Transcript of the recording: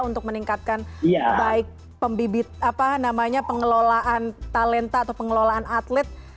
untuk meningkatkan baik pengelolaan talenta atau pengelolaan atlet